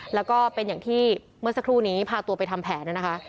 แล้วก็เป็นอย่างที่เมื่อสักครู่นี้พาตัวไปทำแผนนะคะ